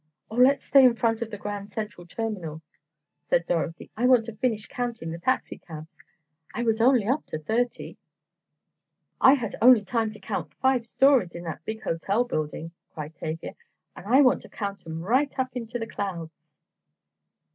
"Oh, let's stay in front of the Grand Central Terminal," said Dorothy, "I want to finish counting the taxicabs, I was only up to thirty." "I only had time to count five stories in that big hotel building," cried Tavia, "and I want to count 'em right up into the clouds."